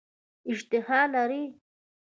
اشتها لري.